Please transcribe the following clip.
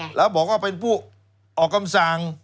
แล้วบอกว่าเป็นผู้ออกคำสั่ง